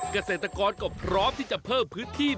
เกษตรกรก็พร้อมที่จะเพิ่มพื้นที่